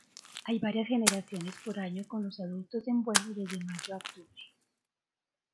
Hay varias generaciones por año con los adultos en vuelo desde mayo a octubre.